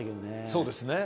そうですね。